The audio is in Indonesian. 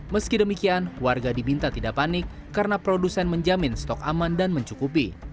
meski demikian warga diminta tidak panik karena produsen menjamin stok aman dan mencukupi